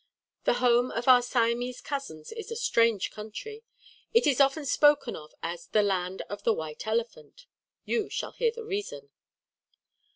The home of our Siamese cousins is a strange country. It is often spoken of as the "Land of the White Elephant." You shall hear the reason.